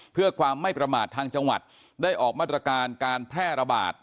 เพื่อความไม่ประมาททางจังหวัดได้ออกมาตรการการแพร่ระบาด